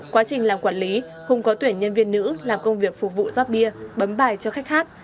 quá trình làm quản lý hùng có tuyển nhân viên nữ làm công việc phục vụ rót bia bấm bài cho khách hát